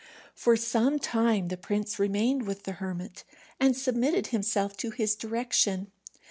For some time the prince remained with the hermit, and submitted himself to his direction.